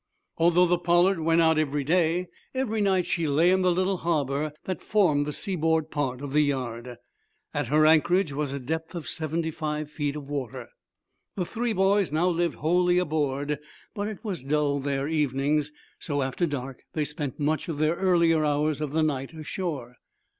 Although the "Pollard" went out every day, ever night she lay in the little harbor that formed the sea board part of the yard. At her anchorage was a depth of seventy five feet of water. The three boys now lived wholly aboard, but it was dull there evenings, so after dark they spent much of the earlier hours of the night ashore.